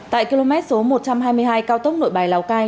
tại km số một trăm hai mươi hai cao tốc nội bài lào cai